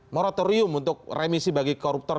moratorium untuk remisi bagi koruptor